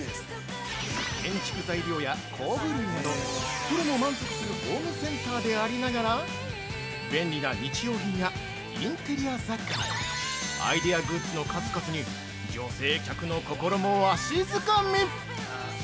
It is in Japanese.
建築材料や工具類など、プロも満足するホームセンターでありながら便利な日用品やインテリア雑貨など、アイデアグッズの数々に女性客の心も、わしづかみ！